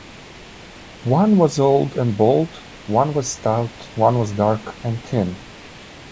One was old and bald, one was stout, one was dark and thin.